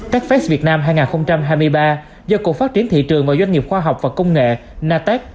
techfest việt nam hai nghìn hai mươi ba do cục phát triển thị trường và doanh nghiệp khoa học và công nghệ